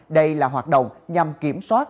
đây là hoạt động nhằm kiểm soát